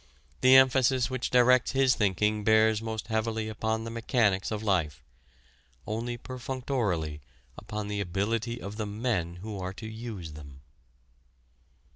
The emphasis which directs his thinking bears most heavily upon the mechanics of life only perfunctorily upon the ability of the men who are to use them.